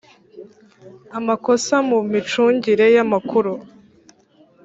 amakosa mu micungire y amakuru